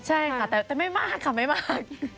ใช่ค่ะแต่ไม่มากค่ะไม่มาก